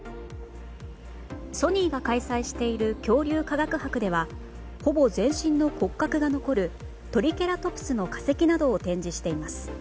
ソニーが開催している恐竜科学博ではほぼ全身の骨格が残るトリケラトプスの化石などを展示しています。